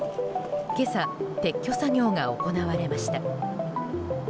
今朝、撤去作業が行われました。